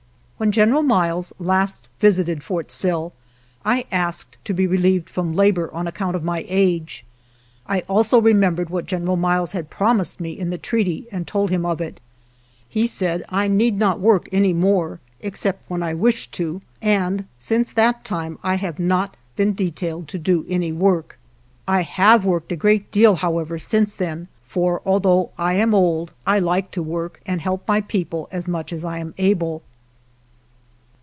When General Miles last visited Fort Sill I asked to be relieved from labor on account of my age. I also remembered what General Miles had promised me in the treaty and told him of it. He said I need not work any more except when I wished to, and since that time I have not been de tailed to do any work. I have worked a great deal, however, since then, for, although I am old, I like to work 5 and help my peo ple as much as I am able.